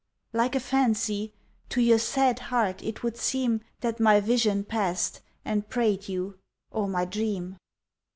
Like a fancy. To your sad heart It would seem That my vision passed and prayed you, Or my dream.